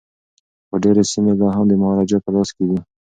خو ډیري سیمي لا هم د مهاراجا په لاس کي وې.